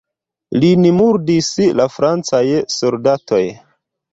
Lin murdis la francaj soldatoj.